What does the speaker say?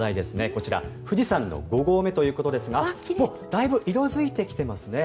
こちら富士山の五合目ということですがだいぶ色付いてきてますね。